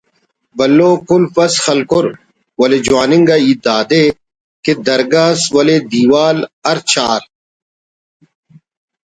بھلو قلف اس خلکر ولے جوان انگا ہیت دادے کہ درگہ ئس ولے دیوال ہرچار